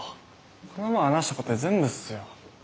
この前話したことで全部っすよ。